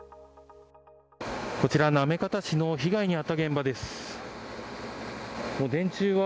こちら行方市の被害のあった現場です。